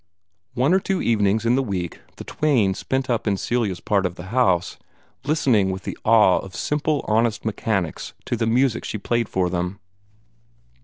One or two evenings in the week the twain spent up in Celia's part of the house, listening with the awe of simple, honest mechanics to the music she played for them.